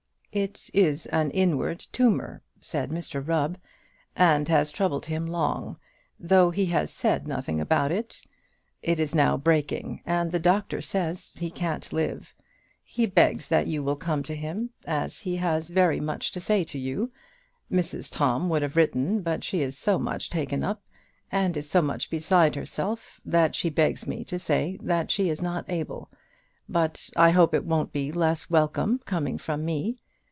"It is an inward tumour," said Mr Rubb, "and has troubled him long, though he has said nothing about it. It is now breaking, and the doctor says he can't live. He begs that you will come to him, as he has very much to say to you. Mrs Tom would have written, but she is so much taken up, and is so much beside herself, that she begs me to say that she is not able; but I hope it won't be less welcome coming from me.